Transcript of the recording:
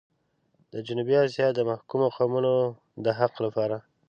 د جنوبي اسيا د محکومو قومونو د حق لپاره.